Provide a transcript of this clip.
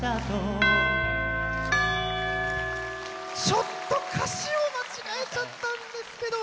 ちょっと歌詞を間違えちゃったんですけど。